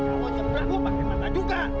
kamu cembrak gue pake mata juga